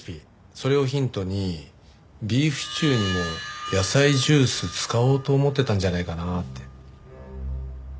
それをヒントにビーフシチューにも野菜ジュース使おうと思ってたんじゃないかなって。